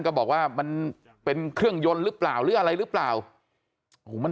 ก็บอกว่ามันเป็นเครื่องยนต์หรือเปล่าหรืออะไรหรือเปล่าโอ้โหมัน